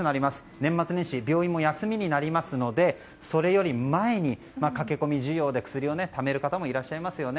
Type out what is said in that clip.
年末年始、病院も休みになりますのでそれより前に駆け込み需要で薬をためる方もいらっしゃいますよね。